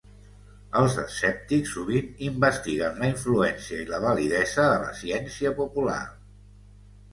Els escèptics sovint investiguen la influència i la validesa de la ciència popular.